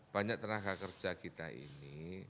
banyak tenaga kerja kita ini